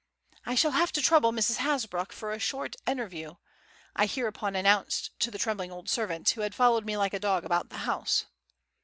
"I shall have to trouble Mrs. Hasbrouck for a short interview," I hereupon announced to the trembling old servant, who had followed me like a dog about the house.